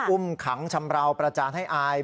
อุ้มขังชำราวประจานให้อาย